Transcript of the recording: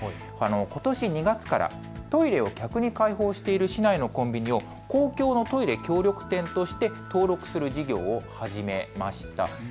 ことし２月、トイレを客に開放している市内のコンビニを公共のトイレ協力店として登録する事業を始めました。